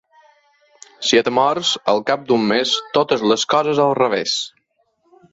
Si et mors, al cap d'un mes totes les coses al revés.